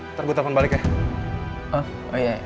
ntar gue telfon balik ya